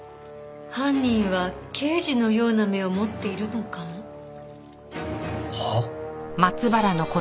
犯人は刑事のような目を持っているのかも。はあ？